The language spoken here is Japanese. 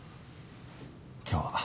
今日は。